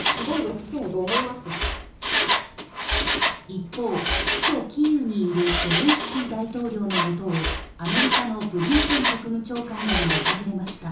一方、首都キーウにいるゼレンスキー大統領のもとを、アメリカのブリンケン国務長官らが訪れました。